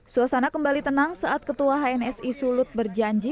suasana kembali tenang saat ketua hnsi sulut berjanji